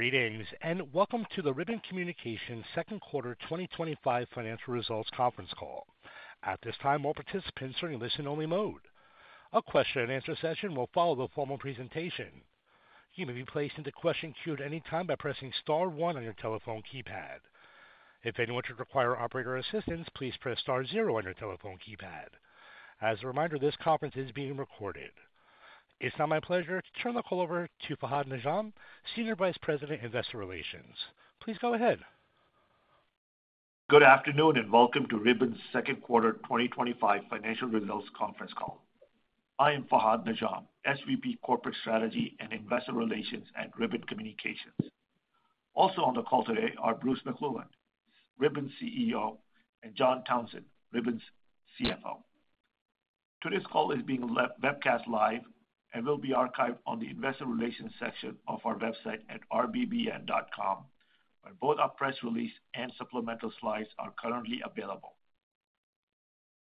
Good evening and welcome to the Ribbon Communications second quarter 2025 financial results conference call. At this time, all participants are in listen-only mode. A question and answer session will follow the formal presentation. You may be placed into question queue at any time by pressing star one on your telephone keypad. If anyone should require operator assistance, please press star zero on your telephone keypad. As a reminder, this conference is being recorded. It's now my pleasure to turn the call over to Fahad Najam, Senior Vice President, Investor Relations. Please go ahead. Good afternoon and welcome to Ribbon's second quarter 2025 financial results conference call. I am Fahad Najam, SVP Corporate Strategy and Investor Relations at Ribbon Communications. Also on the call today are Bruce McClelland, Ribbon's CEO, and John Townsend, Ribbon's CFO. Today's call is being webcast live and will be archived on the Investor Relations section of our website at rbbn.com, where both our press release and supplemental slides are currently available.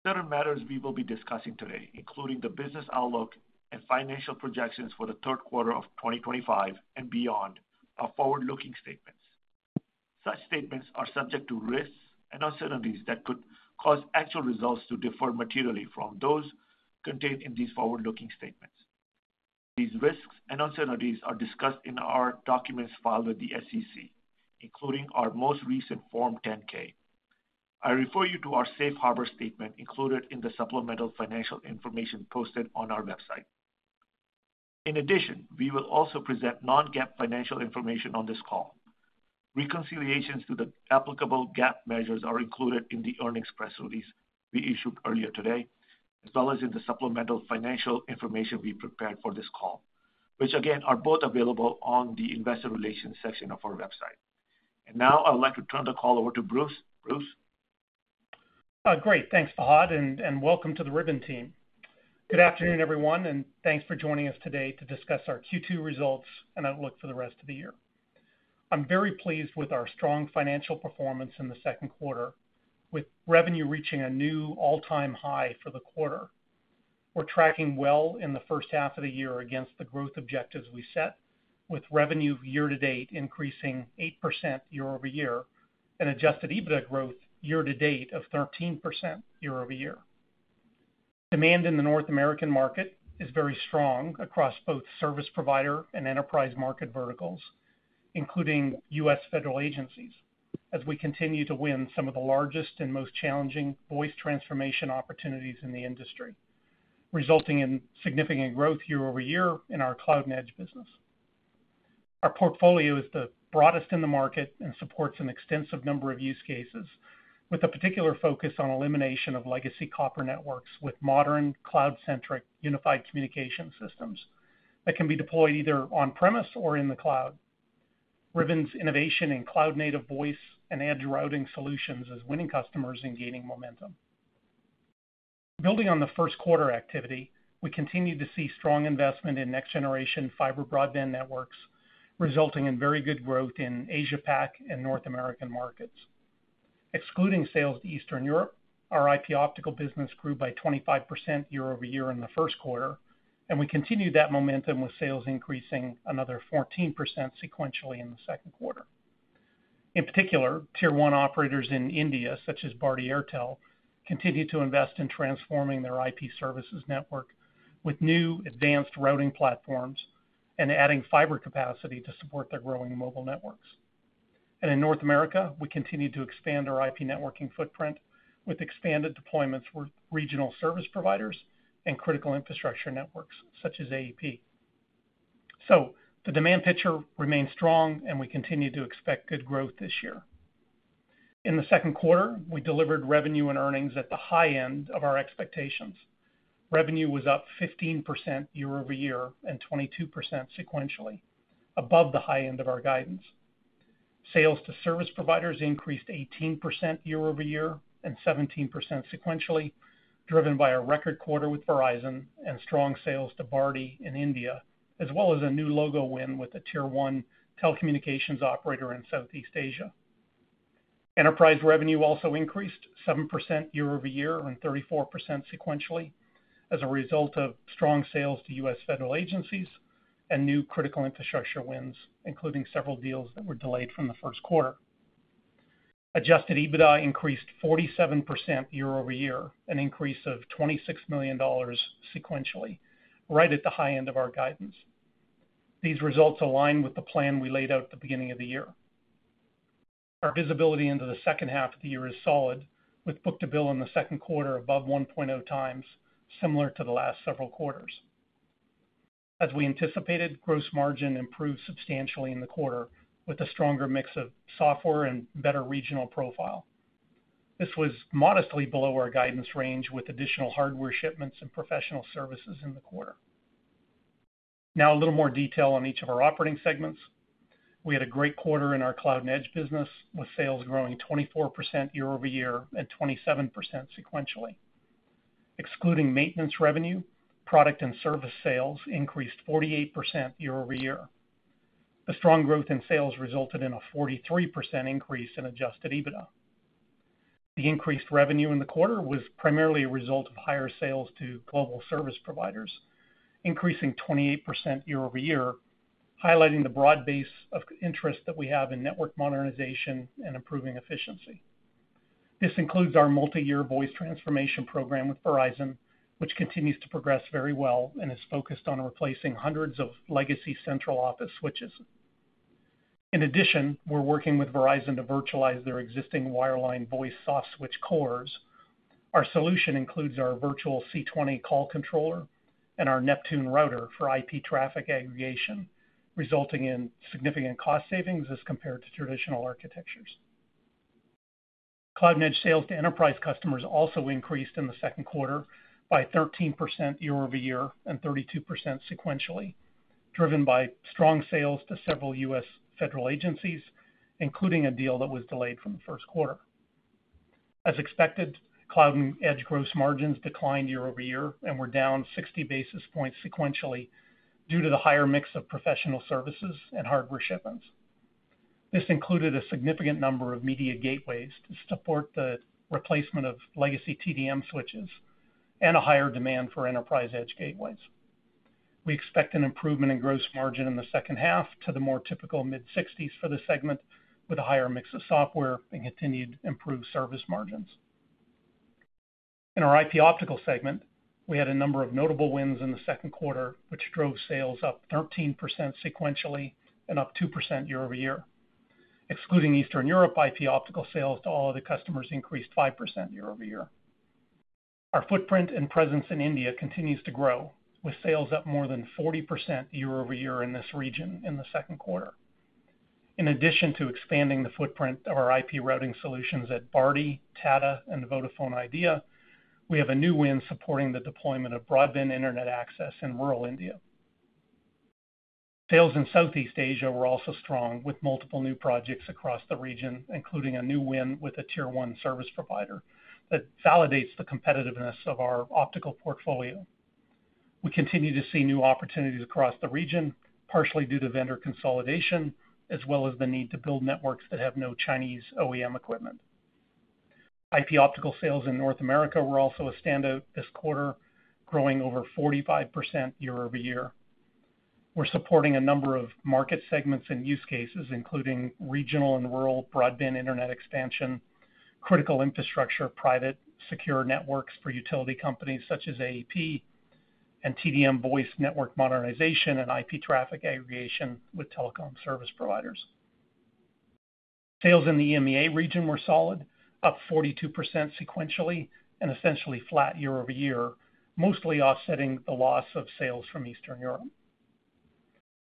Certain matters we will be discussing today, including the business outlook and financial projections for the third quarter of 2025 and beyond, are forward-looking statements. Such statements are subject to risks and uncertainties that could cause actual results to differ materially from those contained in these forward-looking statements. These risks and uncertainties are discussed in our documents filed with the SEC, including our most recent Form 10-K. I refer you to our safe harbor statement included in the supplemental financial information posted on our website. In addition, we will also present Non-GAAP financial information on this call. Reconciliations to the applicable GAAP measures are included in the earnings press release we issued earlier today, as well as in the supplemental financial information we prepared for this call, which again are both available on the Investor Relations section of our website. I would like to turn the call over to Bruce. Bruce? Great, thanks Fahad, and welcome to the Ribbon team. Good afternoon everyone, and thanks for joining us today to discuss our Q2 results and outlook for the rest of the year. I'm very pleased with our strong financial performance in the second quarter, with revenue reaching a new all-time high for the quarter. We're tracking well in the first half of the year against the growth objectives we set, with revenue year-to-date increasing 8% year-over-year and Adjusted EBITDA growth year-to-date of 13% year-over-year. Demand in the North American market is very strong across both service provider and enterprise market verticals, including U.S. federal agencies, as we continue to win some of the largest and most challenging Voice Transformation opportunities in the industry, resulting in significant growth year-over-year in our Cloud and Edge business. Our portfolio is the broadest in the market and supports an extensive number of use cases, with a particular focus on elimination of legacy copper networks with modern cloud-centric unified communication systems that can be deployed either on-premise or in the cloud. Ribbon's innovation in cloud-native voice and edge routing solutions is winning customers and gaining momentum. Building on the first quarter activity, we continue to see strong investment in next-generation fiber broadband networks, resulting in very good growth in Asia-Pacific and North American markets. Excluding sales to Eastern Europe, our IP Optical Networks business grew by 25% year-over-year in the first quarter, and we continued that momentum with sales increasing another 14% sequentially in the second quarter. In particular, tier one operators in India, such as Bharti Airtel, continue to invest in transforming their IP services network with new advanced routing platforms and adding fiber capacity to support their growing mobile networks. In North America, we continue to expand our IP networking footprint with expanded deployments with regional service providers and critical infrastructure networks, such as AEP. The demand picture remains strong, and we continue to expect good growth this year. In the second quarter, we delivered revenue and earnings at the high end of our expectations. Revenue was up 15% year-over-year and 22% sequentially, above the high end of our guidance. Sales to service providers increased 18% year-over-year and 17% sequentially, driven by a record quarter with Verizon and strong sales to Bharti in India, as well as a new logo win with a tier one telecommunications operator in Southeast Asia. Enterprise revenue also increased 7% year-over-year and 34% sequentially as a result of strong sales to U.S. federal agencies and new critical infrastructure wins, including several deals that were delayed from the first quarter. Adjusted EBITDA increased 47% year-over-year, an increase of $26 million sequentially, right at the high end of our guidance. These results align with the plan we laid out at the beginning of the year. Our visibility into the second half of the year is solid, with Book-to-Bill in the second quarter above 1.0x, similar to the last several quarters. As we anticipated, gross margin improved substantially in the quarter, with a stronger mix of software and better regional profile. This was modestly below our guidance range, with additional hardware shipments and professional services in the quarter. Now, a little more detail on each of our operating segments. We had a great quarter in our Cloud and Edge business, with sales growing 24% year-over-year and 27% sequentially. Excluding maintenance revenue, product and service sales increased 48% year-over-year. The strong growth in sales resulted in a 43% increase in Adjusted EBITDA. The increased revenue in the quarter was primarily a result of higher sales to global service providers, increasing 28% year-over-year, highlighting the broad base of interest that we have in network modernization and improving efficiency. This includes our multi-year Voice Transformation program with Verizon, which continues to progress very well and is focused on replacing hundreds of legacy central office switches. In addition, we're working with Verizon to virtualize their existing wireline voice soft switch cores. Our solution includes our virtual C20 Call Controller and our Neptune Router for IP traffic aggregation, resulting in significant cost savings as compared to traditional architectures. Cloud and Edge sales to enterprise customers also increased in the second quarter by 13% year-over-year and 32% sequentially, driven by strong sales to several U.S. federal agencies, including a deal that was delayed from the first quarter. As expected, Cloud and Edge gross margins declined year-over-year and were down 60 basis points sequentially due to the higher mix of professional services and hardware shipments. This included a significant number of Media Gateways to support the replacement of legacy TDM switches and a higher demand for enterprise edge gateways. We expect an improvement in gross margin in the second half to the more typical mid-60s for the segment, with a higher mix of software and continued improved service margins. In our IP Optical Networks segment, we had a number of notable wins in the second quarter, which drove sales up 13% sequentially and up 2% year-over-year. Excluding Eastern Europe, IP Optical Networks sales to all other customers increased 5% year-over-year. Our footprint and presence in India continue to grow, with sales up more than 40% year-over-year in this region in the second quarter. In addition to expanding the footprint of our IP routing solutions at Bharti, Tata, and Vodafone Idea, we have a new win supporting the deployment of broadband internet access in rural India. Sales in Southeast Asia were also strong, with multiple new projects across the region, including a new win with a tier one service provider that validates the competitiveness of our optical portfolio. We continue to see new opportunities across the region, partially due to Vendor Consolidation, as well as the need to build networks that have no Chinese OEM equipment. IP Optical Networks sales in North America were also a standout this quarter, growing over 45% year-over-year. We're supporting a number of market segments and use cases, including regional and rural broadband internet expansion, critical infrastructure private secure networks for utility companies such as AEP, and TDM voice network modernization and IP traffic aggregation with telecom service providers. Sales in the EMEA region were solid, up 42% sequentially, and essentially flat year-over-year, mostly offsetting the loss of sales from Eastern Europe.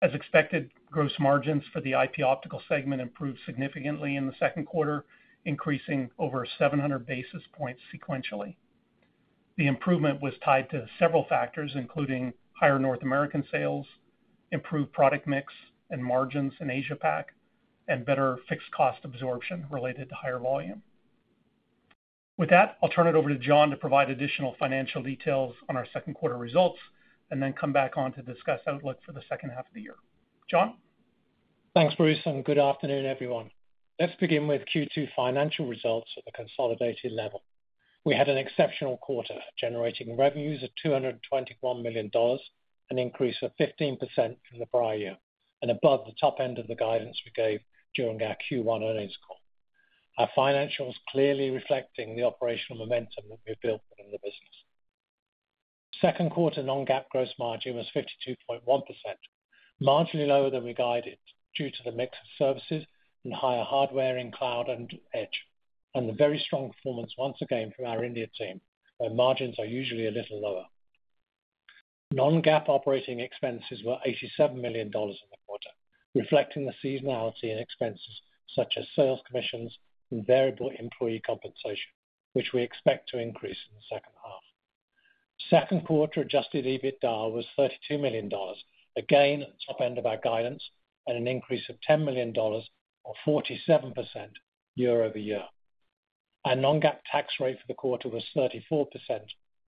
As expected, gross margins for the IP Optical Networks segment improved significantly in the second quarter, increasing over 700 basis points sequentially. The improvement was tied to several factors, including higher North American sales, improved product mix and margins in Asia-Pacific, and better fixed cost absorption related to higher volume. With that, I'll turn it over to John to provide additional financial details on our second quarter results and then come back on to discuss outlook for the second half of the year. John? Thanks, Bruce, and good afternoon everyone. Let's begin with Q2 financial results at the consolidated level. We had an exceptional quarter, generating revenues of $221 million, an increase of 15% from the prior year, and above the top end of the guidance we gave during our Q1 earnings call. Our financials clearly reflect the operational momentum that we've built within the business. Second quarter Non-GAAP gross margin was 52.1%, marginally lower than we guided due to the mix of services and higher hardware in Cloud and Edge, and the very strong performance once again from our India team, where margins are usually a little lower. Non-GAAP operating expenses were $87 million in the quarter, reflecting the seasonality in expenses such as sales commissions and variable employee compensation, which we expect to increase in the second half. Second quarter Adjusted EBITDA was $32 million, again at the top end of our guidance, and an increase of $10 million, or 47% year-over-year. Our Non-GAAP tax rate for the quarter was 34%,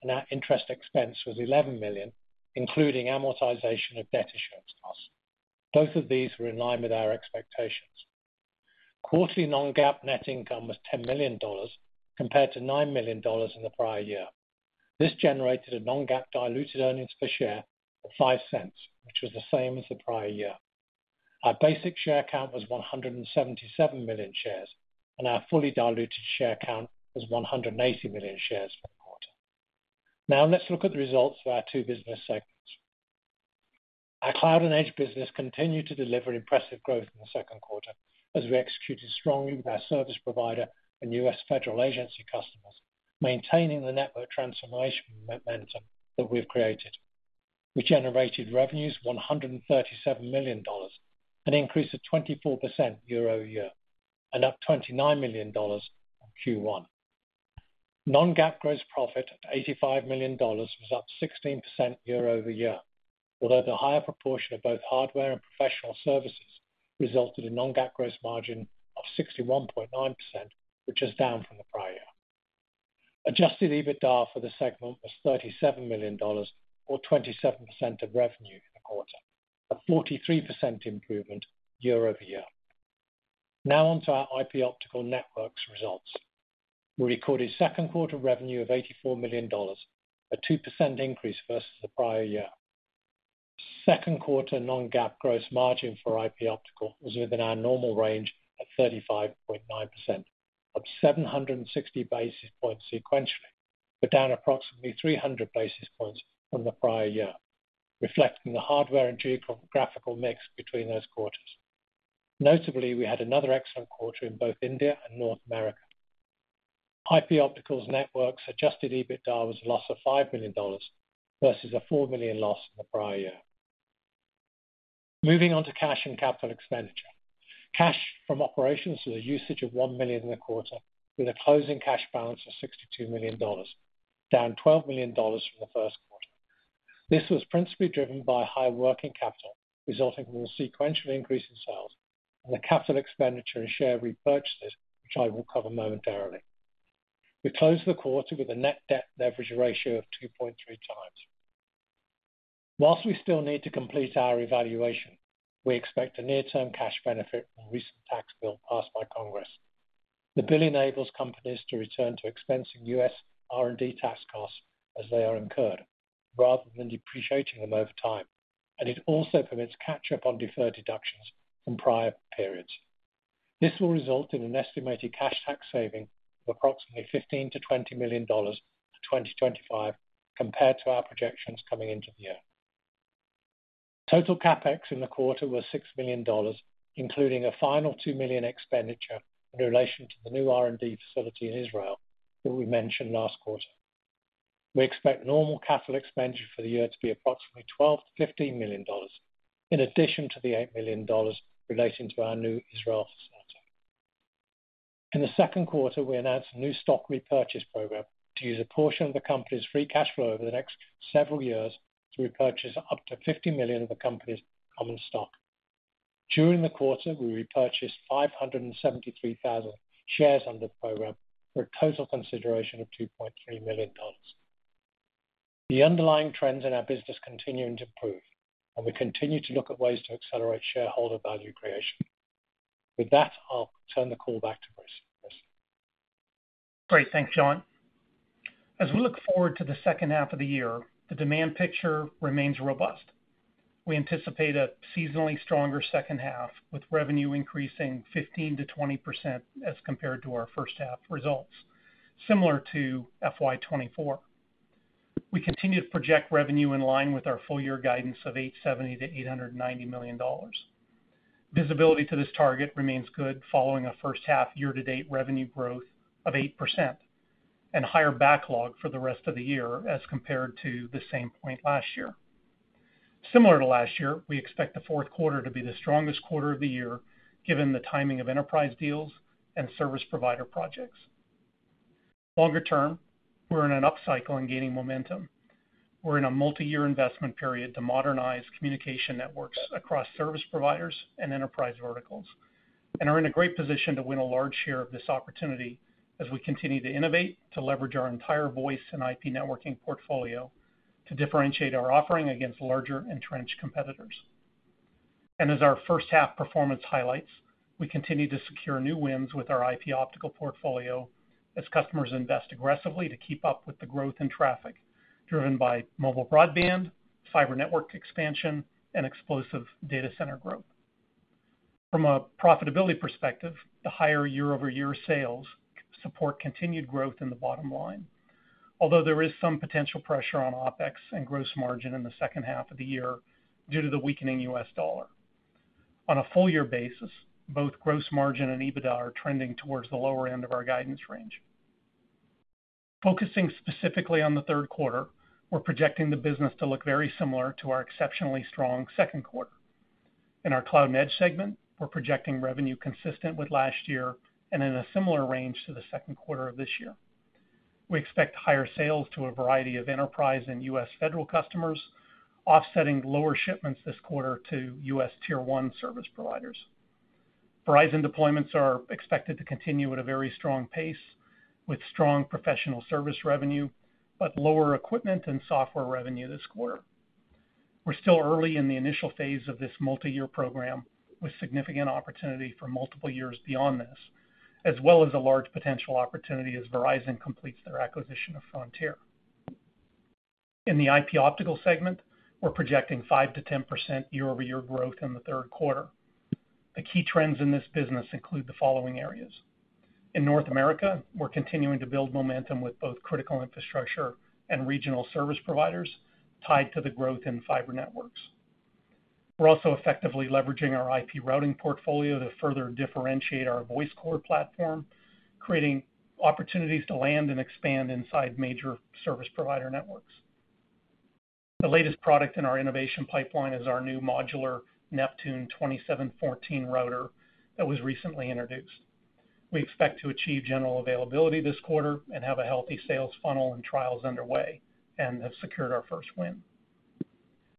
and our interest expense was $11 million, including amortization of debt assurance costs. Both of these were in line with our expectations. Quarterly Non-GAAP net income was $10 million, compared to $9 million in the prior year. This generated a Non-GAAP diluted earnings per share of $0.05, which was the same as the prior year. Our basic share count was $177 million shares, and our fully diluted share count was $180 million shares per quarter. Now let's look at the results for our two business segments. Our Cloud and Edge business continued to deliver impressive growth in the second quarter, as we executed strongly with our service provider and U.S. federal agency customers, maintaining the network transformation momentum that we've created. We generated revenues of $137 million, an increase of 24% year-over-year, and up $29 million from Q1. Non-GAAP gross profit at $85 million was up 16% year-over-year, although the higher proportion of both hardware and professional services resulted in a Non-GAAP gross margin of 61.9%, which is down from the prior year. Adjusted EBITDA for the segment was $37 million, or 27% of revenue in the quarter, a 43% improvement year-over-year. Now on to our IP Optical Networks results. We recorded second quarter revenue of $84 million, a 2% increase versus the prior year. Second quarter Non-GAAP gross margin for IP Optical was within our normal range at 35.9%, up 760 basis points sequentially, but down approximately 300 basis points from the prior year, reflecting the hardware and geographical mix between those quarters. Notably, we had another excellent quarter in both India and North America. IP Optical Networks' Adjusted EBITDA was a loss of $5 million versus a $4 million loss in the prior year. Moving on to cash and capital expenditure, cash from operations was a usage of $1 million in the quarter, with a closing cash balance of $62 million, down $12 million from the first quarter. This was principally driven by high working capital, resulting from a sequential increase in sales, and the capital expenditure and share repurchases, which I will cover momentarily. We closed the quarter with a net debt leverage ratio of 2.3x. Whilst we still need to complete our evaluation, we expect a near-term cash benefit from the recent tax bill passed by Congress. The bill enables companies to return to expensing U.S. R&D tax costs as they are incurred, rather than depreciating them over time, and it also permits catch-up on deferred deductions from prior periods. This will result in an estimated cash tax saving of approximately $15-$20 million in 2025, compared to our projections coming into the year. Total CapEx in the quarter was $6 million, including a final $2 million expenditure in relation to the new R&D facility in Israel, which we mentioned last quarter. We expect normal capital expenditure for the year to be approximately $12-$15 million, in addition to the $8 million relating to our new Israel facility. In the second quarter, we announced a new stock repurchase program to use a portion of the company's free cash flow over the next several years to repurchase up to $50 million of the company's common stock. During the quarter, we repurchased 573,000 shares under the program, with a total consideration of $2.3 million. The underlying trends in our business continue to improve, and we continue to look at ways to accelerate shareholder value creation. With that, I'll turn the call back to Bruce. Great, thanks John. As we look forward to the second half of the year, the demand picture remains robust. We anticipate a seasonally stronger second half, with revenue increasing 15%-20% as compared to our first half results, similar to FY24. We continue to project revenue in line with our full-year guidance of $870-$890 million. Visibility to this target remains good, following a first half year-to-date revenue growth of 8% and higher backlog for the rest of the year as compared to the same point last year. Similar to last year, we expect the fourth quarter to be the strongest quarter of the year, given the timing of enterprise deals and service provider projects. Longer term, we're in an upcycle and gaining momentum. We're in a multi-year investment period to modernize communication networks across service providers and enterprise verticals, and are in a great position to win a large share of this opportunity as we continue to innovate to leverage our entire voice and IP networking portfolio to differentiate our offering against larger entrenched competitors. As our first half performance highlights, we continue to secure new wins with our IP optical portfolio as customers invest aggressively to keep up with the growth in traffic, driven by mobile broadband, fiber network expansion, and explosive data center growth. From a profitability perspective, the higher year-over-year sales support continued growth in the bottom line, although there is some potential pressure on OpEx and gross margin in the second half of the year due to the weakening U.S. dollar. On a full-year basis, both gross margin and EBITDA are trending towards the lower end of our guidance range. Focusing specifically on the third quarter, we're projecting the business to look very similar to our exceptionally strong second quarter. In our Cloud and Edge segment, we're projecting revenue consistent with last year and in a similar range to the second quarter of this year. We expect higher sales to a variety of enterprise and U.S. federal customers, offsetting lower shipments this quarter to U.S. tier one service providers. Verizon deployments are expected to continue at a very strong pace, with strong professional service revenue, but lower equipment and software revenue this quarter. We're still early in the initial phase of this multi-year program, with significant opportunity for multiple years beyond this, as well as a large potential opportunity as Verizon completes their acquisition of Frontier. In the IP Optical Networks segment, we're projecting 5%-10% year-over-year growth in the third quarter. The key trends in this business include the following areas. In North America, we're continuing to build momentum with both critical infrastructure and regional service providers, tied to the growth in fiber networks. We're also effectively leveraging our IP routing portfolio to further differentiate our voice core platform, creating opportunities to land and expand inside major service provider networks. The latest product in our innovation pipeline is our new modular Neptune 2714 router that was recently introduced. We expect to achieve general availability this quarter and have a healthy sales funnel and trials underway and have secured our first win.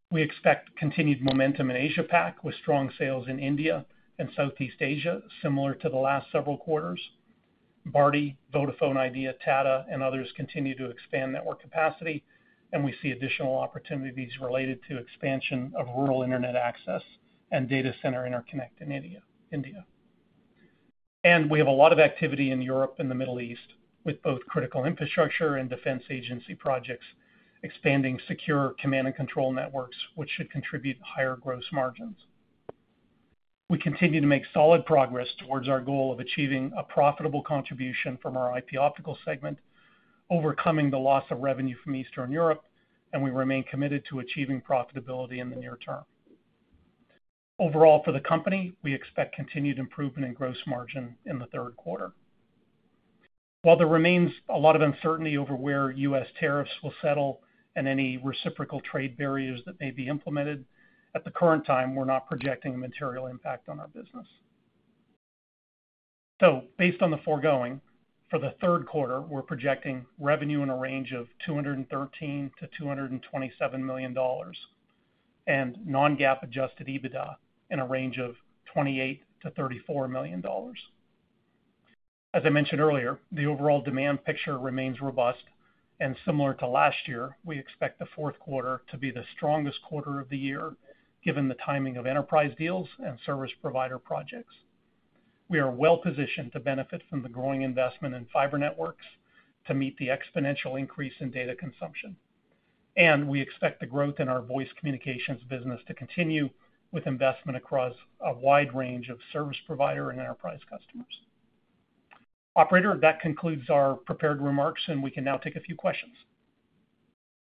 We expect continued momentum in Asia-Pacific, with strong sales in India and Southeast Asia, similar to the last several quarters. Bharti, Vodafone Idea, Tata, and others continue to expand network capacity, and we see additional opportunities related to expansion of rural internet access and data center interconnect in India. We have a lot of activity in Europe and the Middle East, with both critical infrastructure and defense agency projects expanding secure command and control networks, which should contribute to higher gross margins. We continue to make solid progress towards our goal of achieving a profitable contribution from our IP Optical Networks segment, overcoming the loss of revenue from Eastern Europe, and we remain committed to achieving profitability in the near term. Overall, for the company, we expect continued improvement in gross margin in the third quarter. While there remains a lot of uncertainty over where U.S. tariffs will settle and any reciprocal trade barriers that may be implemented, at the current time, we're not projecting a material impact on our business. Based on the foregoing, for the third quarter, we're projecting revenue in a range of $213 million-$227 million and Non-GAAP Adjusted EBITDA in a range of $28 million-$34 million. As I mentioned earlier, the overall demand picture remains robust, and similar to last year, we expect the fourth quarter to be the strongest quarter of the year, given the timing of enterprise deals and service provider projects. We are well positioned to benefit from the growing investment in fiber networks to meet the exponential increase in data consumption, and we expect the growth in our voice communications business to continue with investment across a wide range of service provider and enterprise customers. Operator, that concludes our prepared remarks, and we can now take a few questions.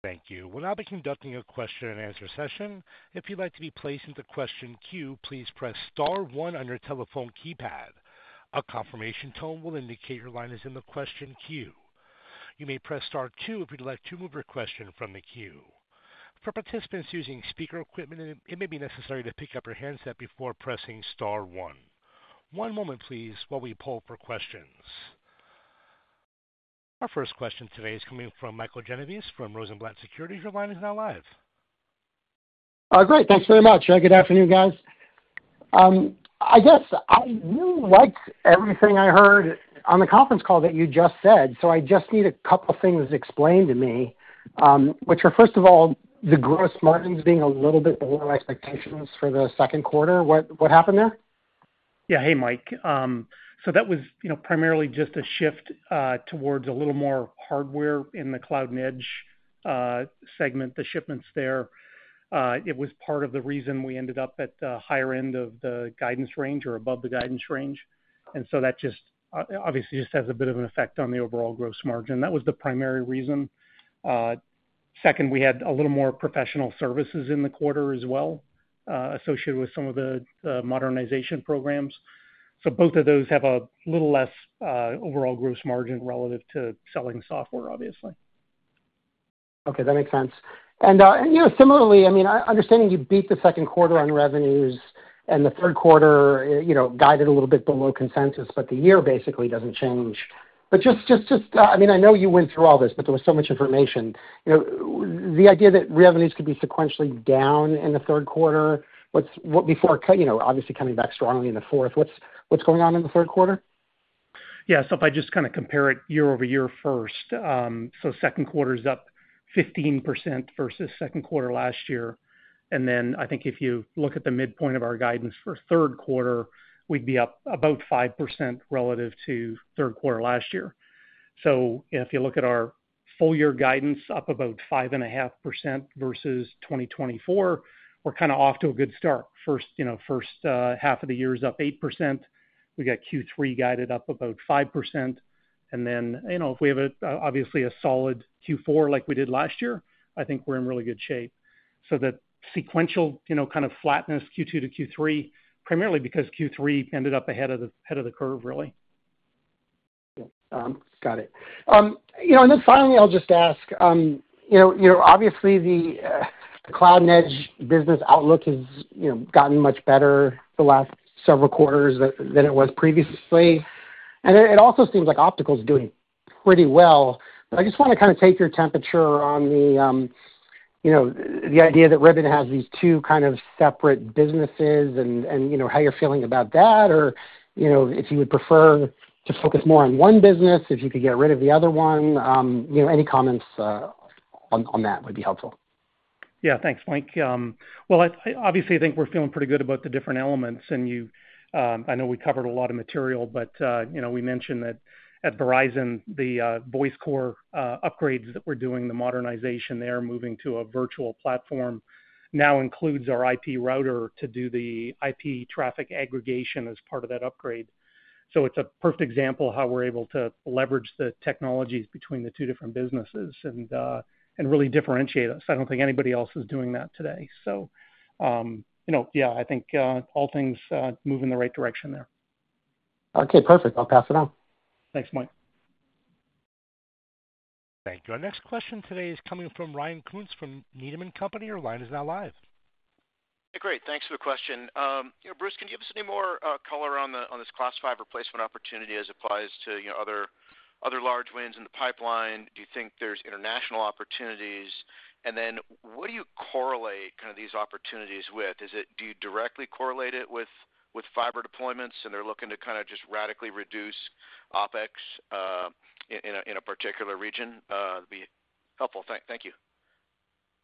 Thank you. We'll now be conducting a question and answer session. If you'd like to be placed into the question queue, please press star one on your telephone keypad. A confirmation tone will indicate your line is in the question queue. You may press star two if you'd like to remove your question from the queue. For participants using speaker equipment, it may be necessary to pick up your handset before pressing star one. One moment, please, while we pull up our questions. Our first question today is coming from Michael Genovese from Rosenblatt Securities. Your line is now live. Great, thanks very much. Good afternoon, guys. I guess I liked everything I heard on the conference call that you just said, so I just need a couple of things explained to me, which are, first of all, the gross margins being a little bit below expectations for the second quarter. What happened there? Yeah, hey, Mike. That was primarily just a shift towards a little more hardware in the Cloud and Edge segment, the shipments there. It was part of the reason we ended up at the higher end of the guidance range or above the guidance range, and that just obviously has a bit of an effect on the overall gross margin. That was the primary reason. Second, we had a little more professional services in the quarter as well, associated with some of the modernization programs. Both of those have a little less overall gross margin relative to selling software, obviously. Okay, that makes sense. Similarly, I mean, I understand you beat the second quarter on revenues, and the third quarter, you know, guided a little bit below consensus, but the year basically doesn't change. I know you went through all this, but there was so much information. The idea that revenues could be sequentially down in the third quarter, what's, what before, you know, obviously coming back strongly in the fourth, what's going on in the third quarter? Yeah, so if I just kind of compare it year-over-year first, second quarter's up 15% versus second quarter last year, and then I think if you look at the midpoint of our guidance for third quarter, we'd be up about 5% relative to third quarter last year. If you look at our full-year guidance up about 5.5% versus 2024, we're kind of off to a good start. First half of the year's up 8%, we got Q3 guided up about 5%, and if we have obviously a solid Q4 like we did last year, I think we're in really good shape. That sequential kind of flatness Q2 to Q3, primarily because Q3 ended up ahead of the curve, really. Got it. Finally, I'll just ask, obviously the Cloud and Edge business outlook has gotten much better the last several quarters than it was previously, and it also seems like optical's doing pretty well. I just want to take your temperature on the idea that Ribbon has these two separate businesses and how you're feeling about that, or if you would prefer to focus more on one business, if you could get rid of the other one, any comments on that would be helpful. Thank you, Mike. I obviously think we're feeling pretty good about the different elements, and I know we covered a lot of material, but we mentioned that at Verizon, the voice core upgrades that we're doing, the modernization there, moving to a virtual platform now includes our IP router to do the IP traffic aggregation as part of that upgrade. It's a perfect example of how we're able to leverage the technologies between the two different businesses and really differentiate us. I don't think anybody else is doing that today. I think all things move in the right direction there. Okay, perfect. I'll pass it on. Thanks, Mike. Thank you. Our next question today is coming from Ryan Kuntz from Needham & Company. Our line is now live. Hey, great, thanks for the question. You know, Bruce, can you give us any more color on this Class-5 replacement opportunity as it applies to, you know, other large wins in the pipeline? Do you think there's international opportunities, and then what do you correlate kind of these opportunities with? Do you directly correlate it with fiber deployments and they're looking to kind of just radically reduce OpEx in a particular region? That'd be helpful, thank you.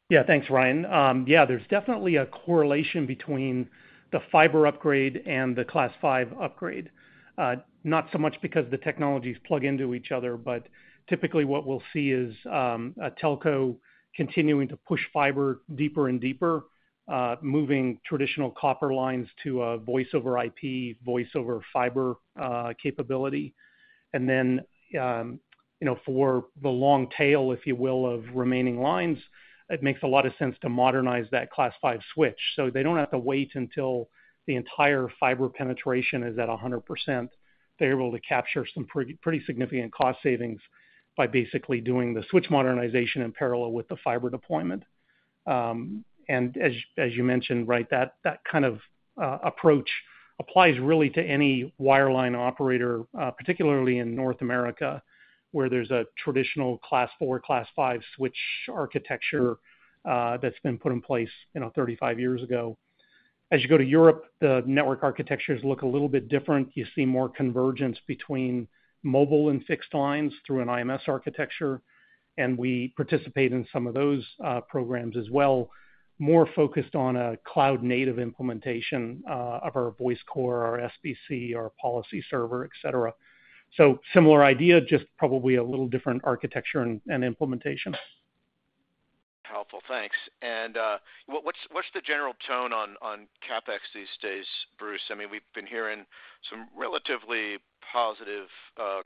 Yeah, thanks, Ryan. Yeah, there's definitely a correlation between the fiber upgrade the Class-5 switch upgrade. Not so much because the technologies plug into each other, but typically what we'll see is a telco continuing to push fiber deeper and deeper, moving traditional copper lines to a voice over IP, voice over fiber capability. For the long tail, if you will, of remaining lines, it makes a lot of sense to modernize that Class-5 Switch so they don't have to wait until the entire fiber penetration is at 100%. They're able to capture some pretty significant cost savings by basically doing the switch modernization in parallel with the fiber deployment. As you mentioned, that kind of approach applies really to any wireline operator, particularly in North America, where there's a traditional Class-4, Class-5 Switch architecture that's been put in place, you know, 35 years ago. As you go to Europe, the network architectures look a little bit different. You see more convergence between mobile and fixed lines through an IMS architecture, and we participate in some of those programs as well, more focused on a cloud-native implementation of our voice core, our SBC, our policy server, etc. Similar idea, just probably a little different architecture and implementation. Helpful, thanks. What's the general tone on CapEx these days, Bruce? I mean, we've been hearing some relatively positive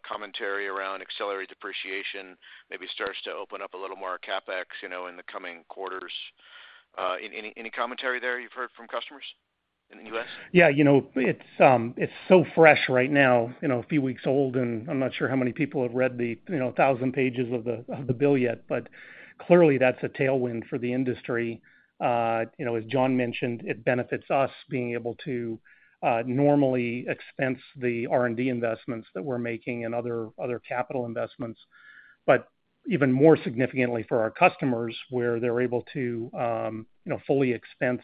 commentary around accelerated depreciation. Maybe it starts to open up a little more CapEx, you know, in the coming quarters. Any commentary there you've heard from customers in the U.S.? Yeah, you know, it's so fresh right now, a few weeks old, and I'm not sure how many people have read the, you know, a thousand pages of the bill yet, but clearly that's a tailwind for the industry. As John mentioned, it benefits us being able to normally expense the R&D investments that we're making and other capital investments, but even more significantly for our customers where they're able to fully expense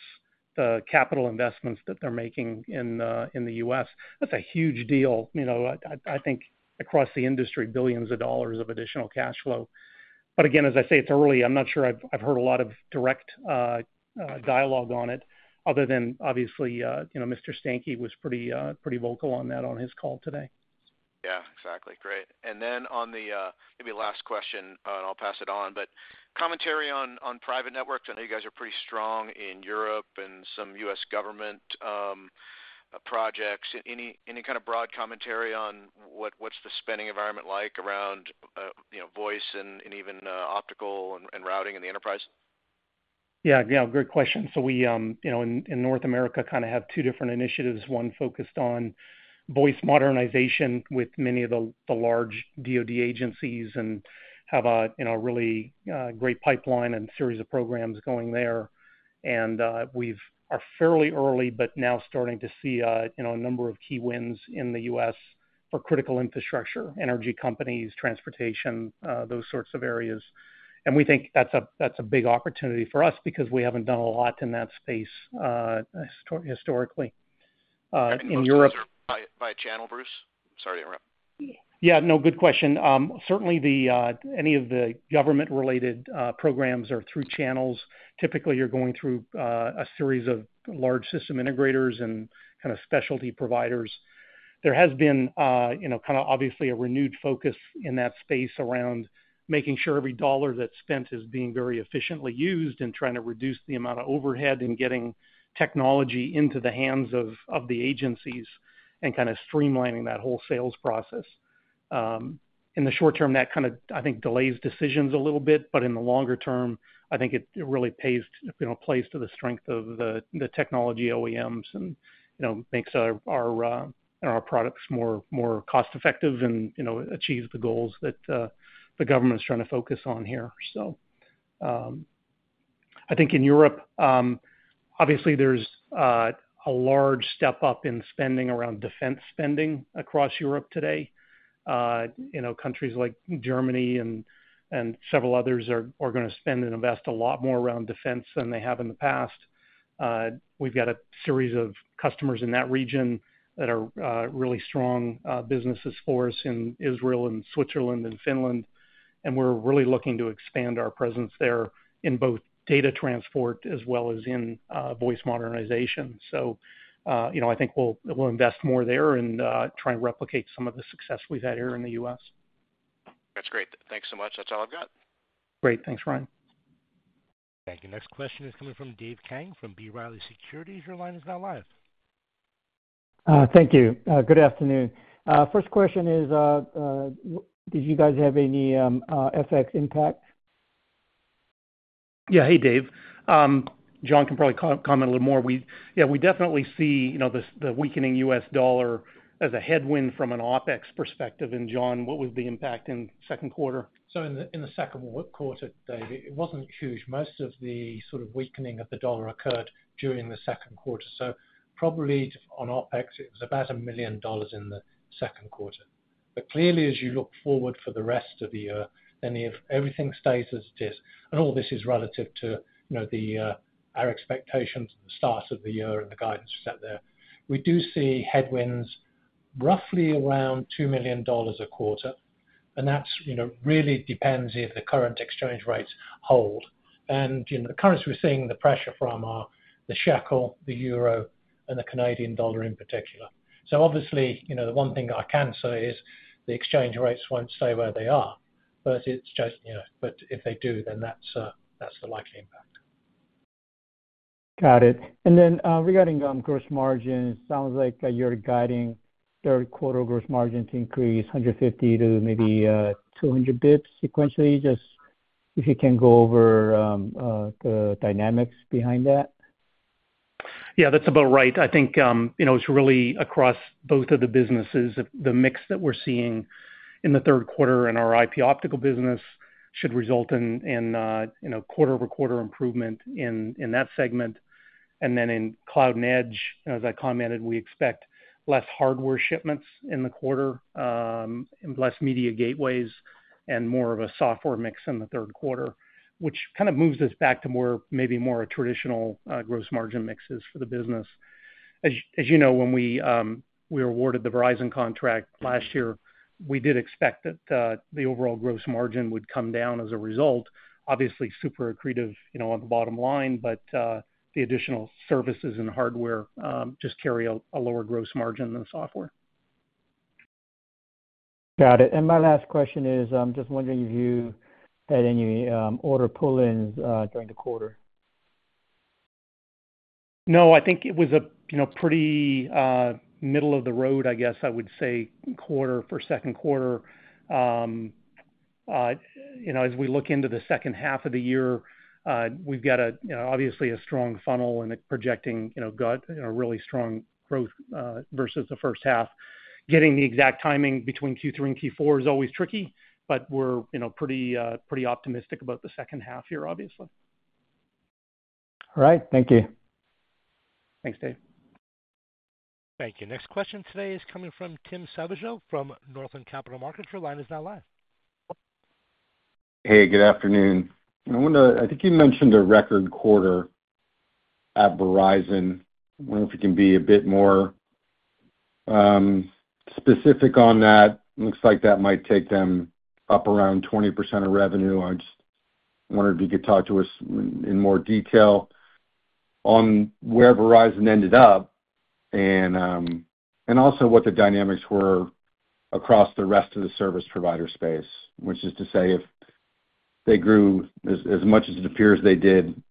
the capital investments that they're making in the U.S. That's a huge deal, you know, I think across the industry, billions of dollars of additional cash flow. Again, as I say, it's early. I'm not sure I've heard a lot of direct dialogue on it, other than obviously, you know, Mr. Stankey was pretty vocal on that on his call today. Yeah, exactly, great. On the maybe last question, I'll pass it on, but commentary on private networks? I know you guys are pretty strong in Europe and some U.S. government projects. Any kind of broad commentary on what's the spending environment like around, you know, voice and even optical and routing in the enterprise? Yeah, great question. We, in North America, kind of have two different initiatives, one focused on voice modernization with many of the large DoD agencies and have a really great pipeline and series of programs going there. We are fairly early, but now starting to see a number of key wins in the U.S. for critical infrastructure, energy companies, transportation, those sorts of areas. We think that's a big opportunity for us because we haven't done a lot in that space historically. In Europe. By channel, Bruce? Sorry to interrupt. Yeah, no, good question. Certainly, any of the government-related programs are through channels. Typically you're going through a series of large system integrators and specialty providers. There has been, obviously, a renewed focus in that space around making sure every dollar that's spent is being very efficiently used and trying to reduce the amount of overhead in getting technology into the hands of the agencies and streamlining that whole sales process. In the short term, that, I think, delays decisions a little bit, but in the longer term, I think it really plays to the strength of the technology OEMs and makes our products more cost-effective and achieves the goals that the government's trying to focus on here. I think in Europe, obviously there's a large step up in spending around defense spending across Europe today. Countries like Germany and several others are going to spend and invest a lot more around defense than they have in the past. We've got a series of customers in that region that are really strong businesses for us in Israel and Switzerland and Finland, and we're really looking to expand our presence there in both data transport as well as in voice modernization. I think we'll invest more there and try and replicate some of the success we've had here in the U.S. That's great. Thanks so much. That's all I've got. Great, thanks, Ryan. Thank you. Next question is coming from Dave Kang from B. Riley Securities. Your line is now live. Thank you. Good afternoon. First question is, did you guys have any FX impact? Yeah, hey, Dave. John can probably comment a little more. We definitely see, you know, the weakening U.S. dollar as a headwind from an OpEx perspective. John, what was the impact in the second quarter? In the second quarter, Dave, it wasn't huge. Most of the sort of weakening of the dollar occurred during the second quarter. Probably on OpEx, it was about $1 million in the second quarter. Clearly, as you look forward for the rest of the year, if everything stays as it is, and all this is relative to our expectations at the start of the year and the guidance we set there, we do see headwinds roughly around $2 million a quarter. That really depends if the current exchange rates hold. The currency we're seeing the pressure from are the shekel, the euro, and the Canadian dollar in particular. Obviously, the one thing I can say is the exchange rates won't stay where they are, but if they do, then that's the likely impact. Got it. Regarding gross margin, it sounds like you're guiding third quarter gross margin to increase 150 to maybe 200 bps sequentially. If you can go over the dynamics behind that. Yeah, that's about right. I think it's really across both of the businesses if the mix that we're seeing in the third quarter in our IP Optical Networks business should result in quarter-over-quarter improvement in that segment. In Cloud and Edge, as I commented, we expect less hardware shipments in the quarter and less Media Gateway and more of a software mix in the third quarter, which kind of moves us back to maybe more traditional gross margin mixes for the business. As you know, when we awarded the Verizon contract last year, we did expect that the overall gross margin would come down as a result. Obviously, super accretive on the bottom line, but the additional services and hardware just carry a lower gross margin than software. Got it. My last question is, I'm just wondering if you had any order pull-ins during the quarter. I think it was a pretty middle-of-the-road quarter for second quarter. As we look into the second half of the year, we've got a strong funnel and projecting a really strong growth versus the first half. Getting the exact timing between Q3 and Q4 is always tricky, but we're pretty optimistic about the second half here, obviously. All right, thank you. Thanks, Dave. Thank you. Next question today is coming from Tim Savageaux from Northland Capital Markets. Your line is now live. Hey, good afternoon. I wonder, I think you mentioned a record quarter at Verizon. I wonder if you can be a bit more specific on that. It looks like that might take them up around 20% of revenue. I just wonder if you could talk to us in more detail on where Verizon ended up and also what the dynamics were across the rest of the service provider space, which is to say if they grew as much as it appears they did. It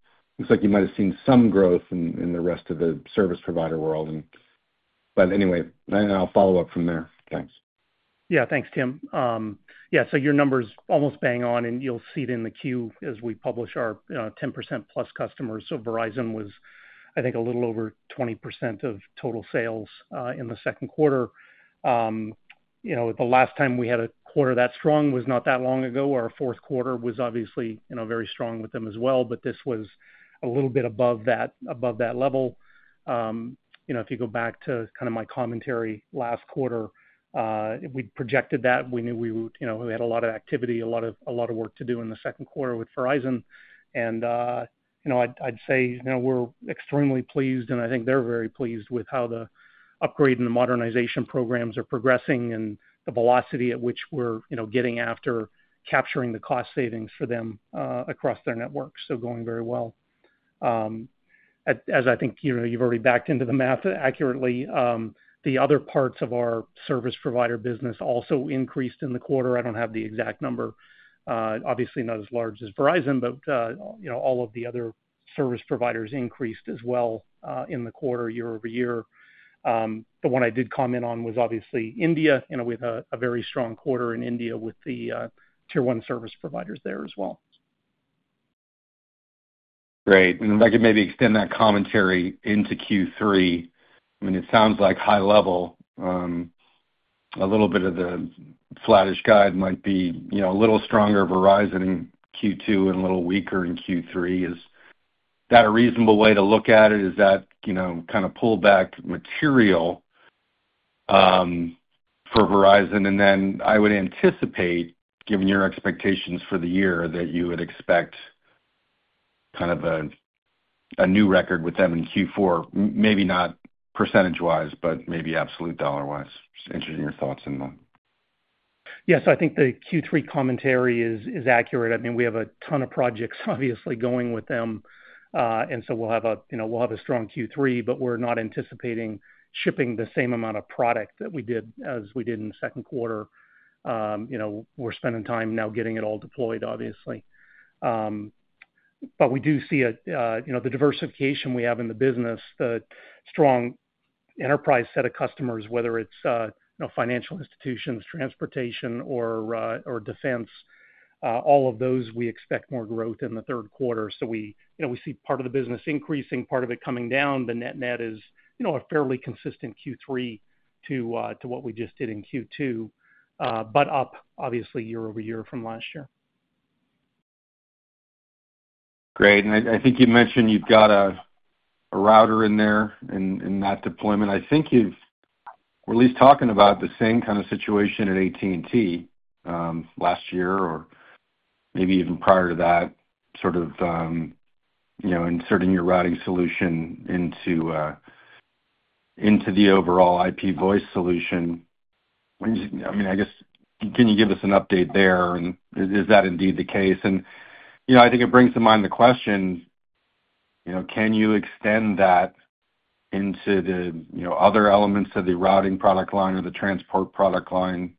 looks like you might have seen some growth in the rest of the service provider world. Anyway, I'll follow up from there. Thanks. Yeah, thanks, Tim. Your number's almost bang on, and you'll see it in the queue as we publish our 10%+ customers. Verizon was, I think, a little over 20% of total sales in the second quarter. The last time we had a quarter that strong was not that long ago. Our fourth quarter was obviously very strong with them as well, but this was a little bit above that level. If you go back to kind of my commentary last quarter, we projected that we knew we had a lot of activity, a lot of work to do in the second quarter with Verizon. I'd say we're extremely pleased, and I think they're very pleased with how the upgrade and the modernization programs are progressing and the velocity at which we're getting after capturing the cost savings for them across their networks. Going very well. As I think you've already backed into the math accurately, the other parts of our service provider business also increased in the quarter. I don't have the exact number. Obviously, not as large as Verizon, but all of the other service providers increased as well in the quarter, year-over-year. The one I did comment on was obviously India, with a very strong quarter in India with the tier one service providers there as well. Great, and I could maybe extend that commentary into Q3. I mean, it sounds like high level, a little bit of the flattish guide might be, you know, a little stronger at Verizon in Q2 and a little weaker in Q3. Is that a reasonable way to look at it? Is that, you know, kind of pullback material for Verizon? I would anticipate, given your expectations for the year, that you would expect kind of a new record with them in Q4, maybe not % wise, but maybe absolute dollar-wise. Just interested in your thoughts on that. I think the Q3 commentary is accurate. We have a ton of projects obviously going with them, and we'll have a strong Q3, but we're not anticipating shipping the same amount of product that we did in the second quarter. We're spending time now getting it all deployed, obviously. We do see the diversification we have in the business, the strong enterprise set of customers, whether it's financial institutions, transportation, or defense. All of those we expect more growth in the third quarter. We see part of the business increasing, part of it coming down, but net net is a fairly consistent Q3 to what we just did in Q2, but up obviously year-over-year from last year. Great, and I think you mentioned you've got a router in there in that deployment. I think you were at least talking about the same kind of situation at AT&T last year or maybe even prior to that, sort of inserting your routing solution into the overall IP voice solution. I guess can you give us an update there? Is that indeed the case? I think it brings to mind the question, can you extend that into the other elements of the routing product line or the transport product line?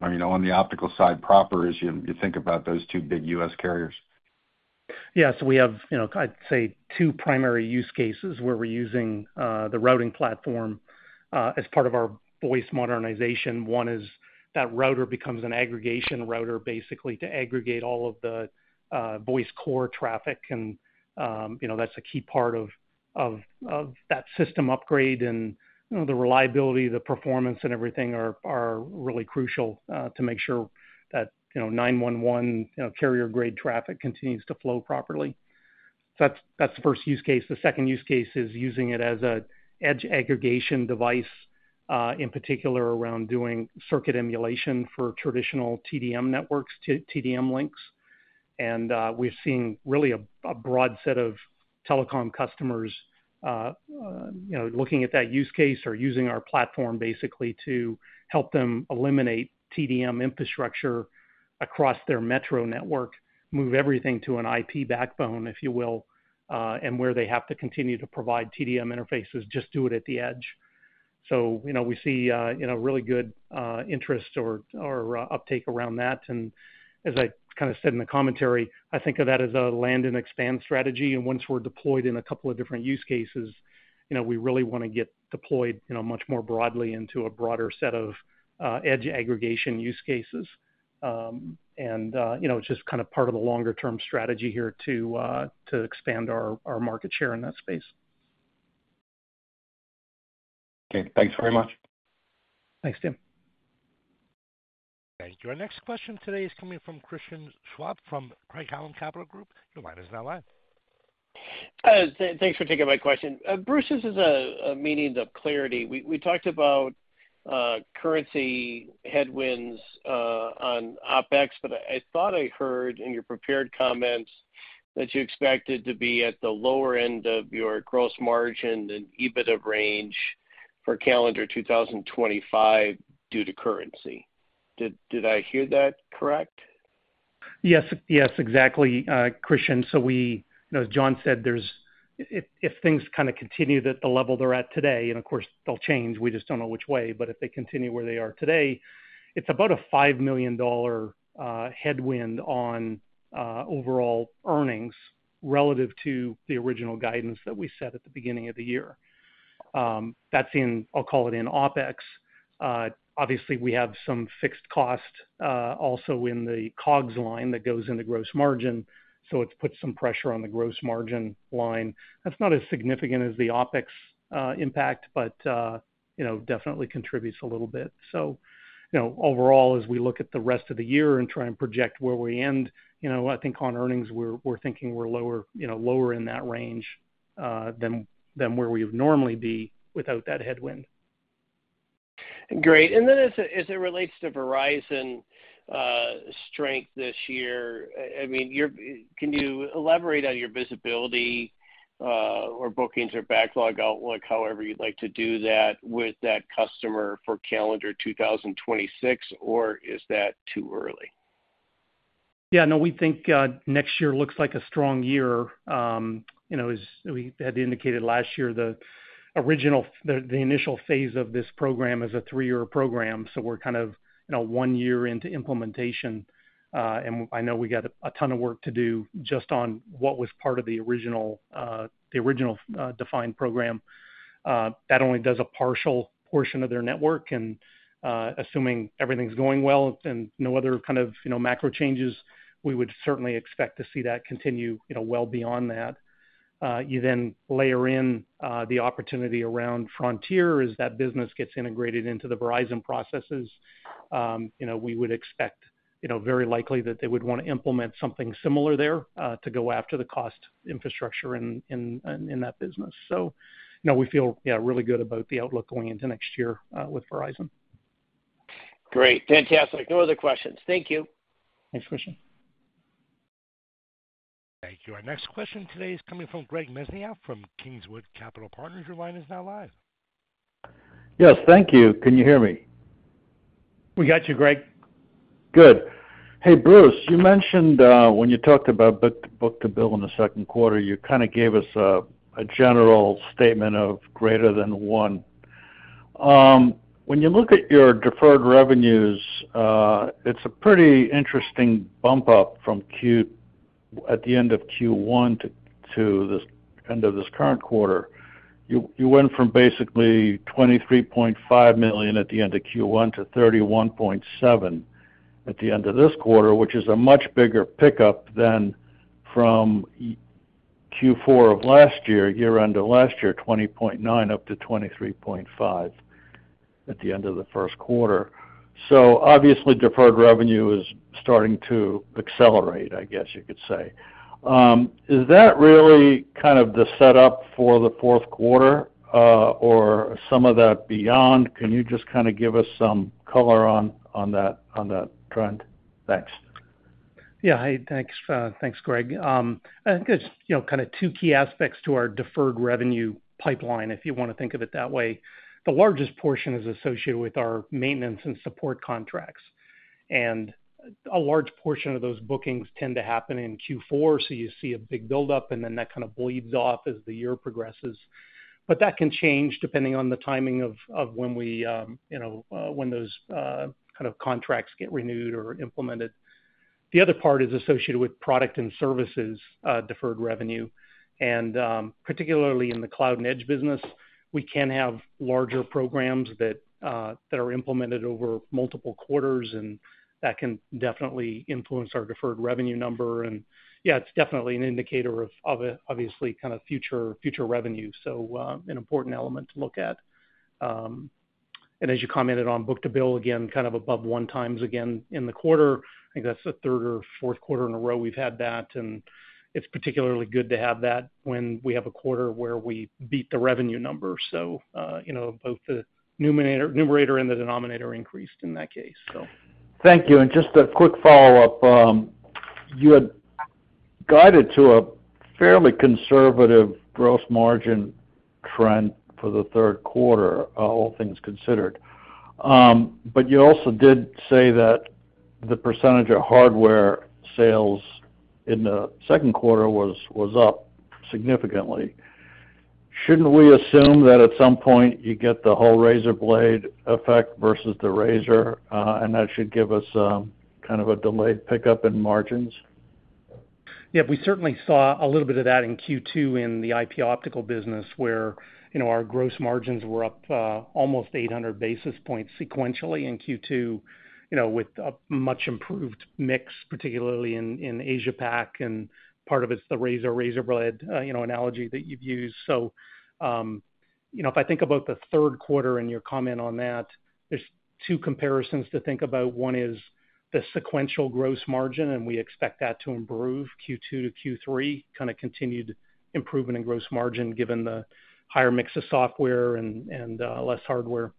I mean, on the optical side proper, as you think about those two big U.S. carriers. Yeah, so we have, I'd say, two primary use cases where we're using the routing platform as part of our voice modernization. One is that router becomes an aggregation router, basically to aggregate all of the voice core traffic, and that's a key part of that system upgrade. The reliability, the performance, and everything are really crucial to make sure that nine one one, carrier-grade traffic continues to flow properly. That's the first use case. The second use case is using it as an edge aggregation device, in particular around doing circuit emulation for traditional TDM networks, TDM links. We're seeing really a broad set of telecom customers looking at that use case or using our platform basically to help them eliminate TDM infrastructure across their metro network, move everything to an IP backbone, if you will, and where they have to continue to provide TDM interfaces, just do it at the edge. We see really good interest or uptake around that. As I kind of said in the commentary, I think of that as a land and expand strategy. Once we're deployed in a couple of different use cases, we really want to get deployed much more broadly into a broader set of edge aggregation use cases. It's just kind of part of the longer-term strategy here to expand our market share in that space. Okay, thanks very much. Thanks, Tim. Thank you. Our next question today is coming from Christian Schwab from Craig-Hallum Capital Group. Your line is now live. Thanks for taking my question. Bruce, this is a meaning of clarity. We talked about currency headwinds on OpEx, but I thought I heard in your prepared comments that you expected to be at the lower end of your gross margin and EBITDA range for calendar 2025 due to currency. Did I hear that correct? Yes, yes, exactly, Christian. As John said, if things kind of continue at the level they're at today, and of course they'll change, we just don't know which way, but if they continue where they are today, it's about a $5 million headwind on overall earnings relative to the original guidance that we set at the beginning of the year. That's in, I'll call it in OpEx. Obviously, we have some fixed cost also in the COGS line that goes into gross margin, so it puts some pressure on the gross margin line. That's not as significant as the OpEx impact, but definitely contributes a little bit. Overall, as we look at the rest of the year and try and project where we end, I think on earnings, we're thinking we're lower, lower in that range than where we would normally be without that headwind. Great, and then as it relates to Verizon's strength this year, can you elaborate on your visibility or bookings or backlog outlook, however you'd like to do that with that customer for calendar 2026, or is that too early? Yeah, no, we think next year looks like a strong year. As we had indicated last year, the initial phase of this program is a three-year program, so we're kind of one year into implementation. I know we got a ton of work to do just on what was part of the original defined program. That only does a partial portion of their network, and assuming everything's going well and no other kind of macro changes, we would certainly expect to see that continue well beyond that. You then layer in the opportunity around Frontier as that business gets integrated into the Verizon processes. We would expect, very likely, that they would want to implement something similar there to go after the cost infrastructure in that business. We feel, yeah, really good about the outlook going into next year with Verizon. Great, fantastic. No other questions. Thank you. Thanks, Christian. Thank you. Our next question today is coming from Greg Mesniaeff from Kingswood Capital Partners. Your line is now live. Yes, thank you. Can you hear me? We got you, Greg. Good. Hey, Bruce, you mentioned when you talked about Book-to-Bill in the second quarter, you kind of gave us a general statement of greater than one. When you look at your deferred revenues, it's a pretty interesting bump up from at the end of Q1 to the end of this current quarter. You went from basically $23.5 million at the end of Q1 to $31.7 million at the end of this quarter, which is a much bigger pickup than from Q4 of last year, year end of last year, $20.9 million up to $23.5 million at the end of the first quarter. Obviously, deferred revenue is starting to accelerate, I guess you could say. Is that really kind of the setup for the fourth quarter or some of that beyond? Can you just kind of give us some color on that trend? Thanks. Yeah, thanks, thanks Greg. I think there's, you know, kind of two key aspects to our deferred revenue pipeline, if you want to think of it that way. The largest portion is associated with our maintenance and support contracts. A large portion of those bookings tend to happen in Q4, so you see a big buildup, and then that kind of bleeds off as the year progresses. That can change depending on the timing of when we, you know, when those kind of contracts get renewed or implemented. The other part is associated with product and services deferred revenue. Particularly in the Cloud and Edge business, we can have larger programs that are implemented over multiple quarters, and that can definitely influence our deferred revenue number. Yeah, it's definitely an indicator of obviously kind of future revenue, so an important element to look at. As you commented on Book-to-Bill, again, kind of above one times again in the quarter, I think that's the third or fourth quarter in a row we've had that, and it's particularly good to have that when we have a quarter where we beat the revenue number. You know, both the numerator and the denominator increased in that case. Thank you. Just a quick follow-up. You had guided to a fairly conservative gross margin trend for the third quarter, all things considered. You also did say that the percentage of hardware sales in the second quarter was up significantly. Shouldn't we assume that at some point you get the whole razor blade effect versus the razor, and that should give us kind of a delayed pickup in margins? Yeah, we certainly saw a little bit of that in Q2 in the IP Optical Networks business where our gross margins were up almost 800 basis points sequentially in Q2, with a much improved mix, particularly in Asia-Pacific, and part of it's the razor razor blade analogy that you've used. If I think about the third quarter and your comment on that, there are two comparisons to think about. One is the sequential gross margin, and we expect that to improve Q2-Q3, kind of continued improvement in gross margin given the higher mix of software and less hardware.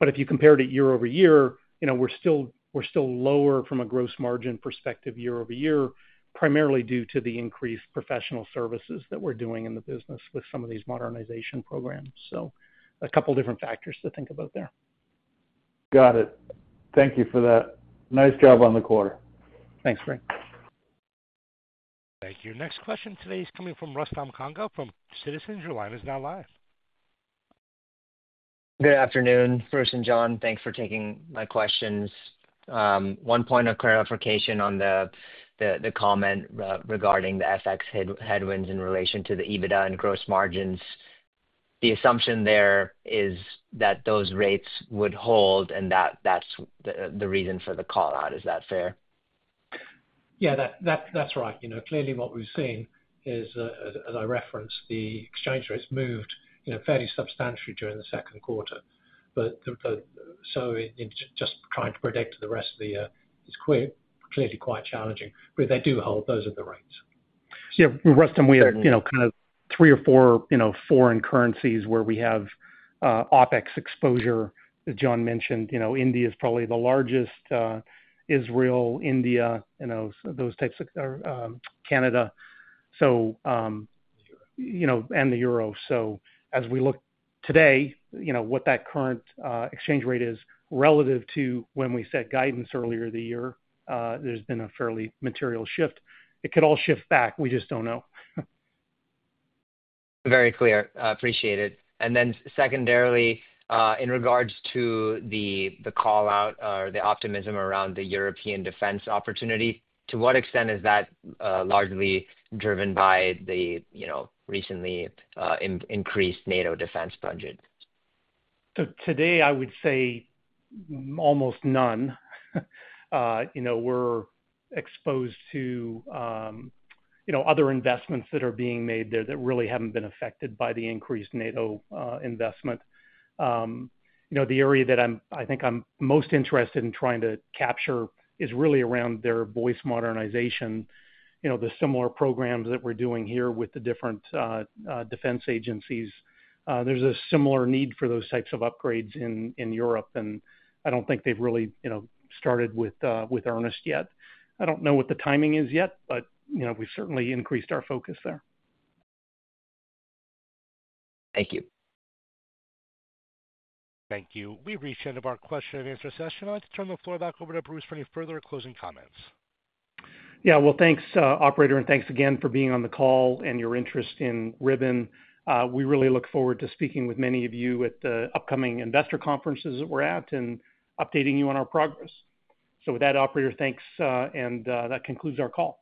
If you compare it year-over-year, we're still lower from a gross margin perspective year-over-year, primarily due to the increased professional services that we're doing in the business with some of these modernization programs. A couple different factors to think about there. Got it. Thank you for that. Nice job on the quarter. Thanks, Greg. Thank you. Next question today is coming from Rustam Kanga from Citizens. Your line is now live. Good afternoon, Bruce and John. Thanks for taking my questions. One point of clarification on the comment regarding the FX headwinds in relation to the EBITDA and gross margins. The assumption there is that those rates would hold, and that's the reason for the callout. Is that fair? Yeah, that's right. You know, clearly what we've seen is, as I referenced, the exchange rates moved fairly substantially during the second quarter. Just trying to predict the rest of the year is clearly quite challenging. If they do hold, those are the rates. Yeah, Rustam, we have three or four foreign currencies where we have OpEx exposure that John mentioned. India is probably the largest, Israel, India, those types of Canada, and the Euro. As we look today, what that current exchange rate is relative to when we set guidance earlier in the year, there's been a fairly material shift. It could all shift back. We just don't know. Very clear. Appreciate it. In regards to the callout or the optimism around the European defense opportunity, to what extent is that largely driven by the recently increased NATO defense budget? Today, I would say almost none. We're exposed to other investments that are being made there that really haven't been affected by the increased NATO investment. The area that I think I'm most interested in trying to capture is really around their voice modernization. The similar programs that we're doing here with the different defense agencies, there's a similar need for those types of upgrades in Europe, and I don't think they've really started with earnest yet. I don't know what the timing is yet, but we've certainly increased our focus there. Thank you. Thank you. We've reached the end of our question and answer session. I'd like to turn the floor back over to Bruce for any further closing comments. Thank you, operator, and thanks again for being on the call and your interest in Ribbon. We really look forward to speaking with many of you at the upcoming investor conferences that we're at and updating you on our progress. With that, operator, thank you, and that concludes our call.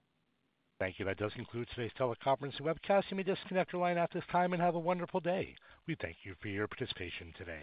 Thank you. That does conclude today's teleconferencing webcast. You may disconnect your line at this time and have a wonderful day. We thank you for your participation today.